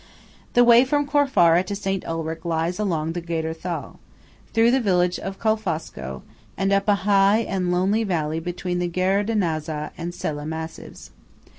The way from Corfara to St. Ulrich lies along the Gader Thal, through the village of Colfosco, and up a high and lonely valley between the Guerdenazza and Sella Massives.